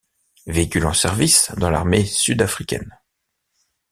Véhicule en service dans l'armée sud-africaine.